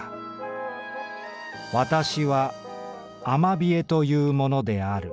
『私はアマビエというものである。